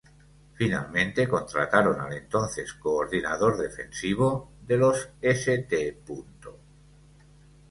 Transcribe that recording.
Finalmente contrataron al entonces coordinador defensivo de los St.